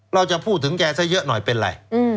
เราจะพูดถึงแกซะเยอะหน่อยเป็นอะไร